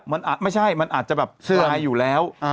มันไม่ใช่มันอาจจะแบบสบายอยู่แล้ว